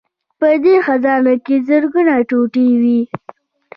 په دې خزانه کې زرګونه ټوټې وې